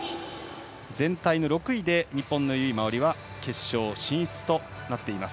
全体の６位で日本の由井真緒里は決勝進出となっています。